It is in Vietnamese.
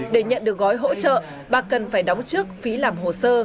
để nhận được gói hỗ trợ bà cần phải đóng trước phí làm hồ sơ